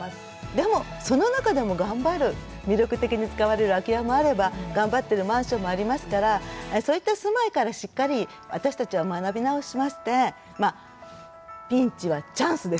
でもその中でも頑張る魅力的に使われる空き家もあれば頑張ってるマンションもありますからそういった住まいからしっかり私たちは学び直しましてまあピンチはチャンスです。